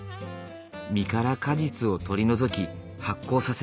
実から果実を取り除き発酵させる。